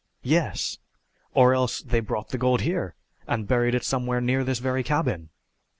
"Yes; or else they brought the gold here and buried it somewhere near this very cabin!"